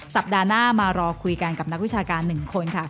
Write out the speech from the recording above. สัปดาห์หน้ามารอคุยกันกับนักวิชาการ๑คนค่ะ